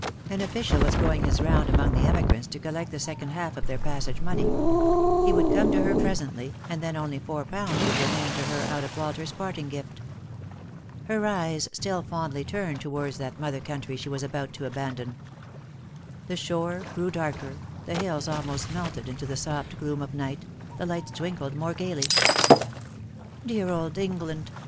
An official was going his round among the emigrants to collect the second half of their passage money. He would come to her presently, and then only four pounds would remain to her out of Walter's parting gift. Her eyes still fondly turned towards that mother country she was about to abandon. The shore grew darker, the hills almost melted into the soft gloom of night, the lights twinkled more gaily. " Dear old England!